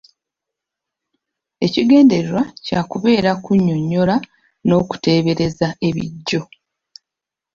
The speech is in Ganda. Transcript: Ekigendererwa kya kubeera kunnyonnyola n’okuteebereza ebijjo.